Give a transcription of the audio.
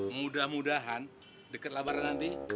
mudah mudahan deket labaran nanti